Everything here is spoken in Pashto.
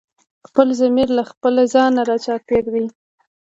خپل ضمير لکه خپل ځان رانه چاپېر دی